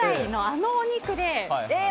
あのお肉でえー！